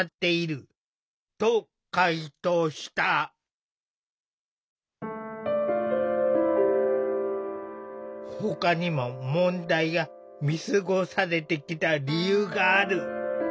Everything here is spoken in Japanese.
都は取材に対しほかにも問題が見過ごされてきた理由がある。